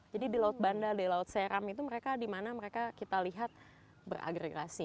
jadi di laut bandar di laut seram itu mereka dimana mereka kita lihat beragregasi